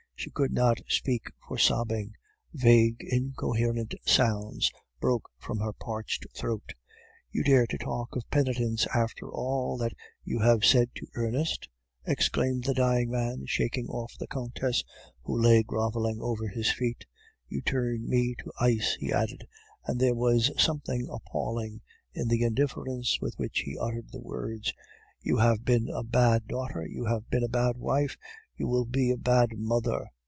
She could not speak for sobbing; vague, incoherent sounds broke from her parched throat. "'You dare to talk of penitence after all that you said to Ernest!' exclaimed the dying man, shaking off the Countess, who lay groveling over his feet. 'You turn me to ice!' he added, and there was something appalling in the indifference with which he uttered the words. 'You have been a bad daughter; you have been a bad wife; you will be a bad mother.